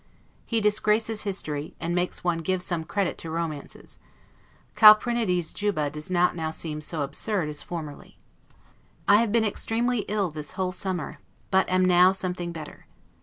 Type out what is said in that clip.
He disgraces history, and makes one give some credit to romances. Calprenede's Juba does not now seem so absurd as formerly. I have been extremely ill this whole summer; but am now something better.